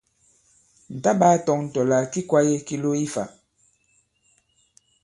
Ǹ ta-ɓāa-tɔ̄ŋ tɔ̀ là ki kwāye ki lo ifã.